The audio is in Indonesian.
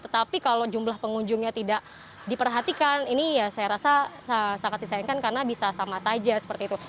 tetapi kalau jumlah pengunjungnya tidak diperhatikan ini ya saya rasa sangat disayangkan karena bisa sama saja seperti itu